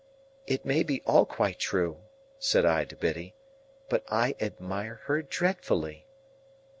"It may be all quite true," said I to Biddy, "but I admire her dreadfully."